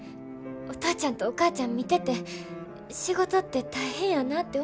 お父ちゃんとお母ちゃん見てて仕事って大変やなて思った。